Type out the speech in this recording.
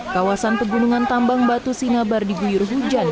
kawasan pegunungan tambang batu sinabar di guyur hujan